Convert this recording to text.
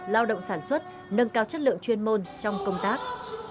lao động sản xuất nâng cao chất lượng chuyên môn trong công tác